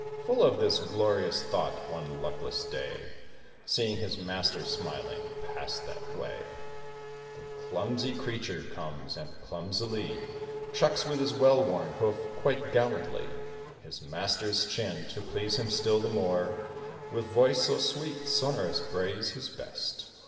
Full of this glorious thought, one luckless day, Seeing his master smiling pass that way, The clumsy creature comes, and clumsily Chucks with his well worn hoof quite gallantly His master's chin; to please him still the more, With voice, so sweet, sonorous brays his best.